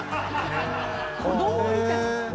子供みたい。